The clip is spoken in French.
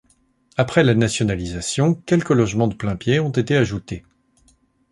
Après la Nationalisation, quelques logements de plain-pied ont été ajoutés.